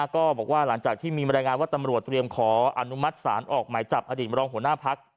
ก็บอกว่าหลังจากที่มีบรรยายงานว่าตำรวจเตรียมขออนุมัติศาลออกหมายจับอดีตมรองหัวหน้าพัก